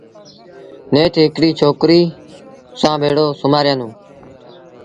نيٺ هڪڙيٚ ڇوڪريٚ سآݩ ڀيڙو سُومآريآݩدون۔